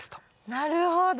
なるほど。